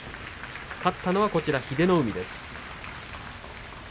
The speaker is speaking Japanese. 勝ったのは、英乃海です。